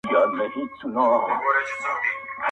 پټ کي څرگند دی.